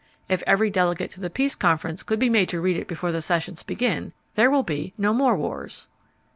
If every delegate to the Peace Conference could be made to read it before the sessions begin, there will be no more wars.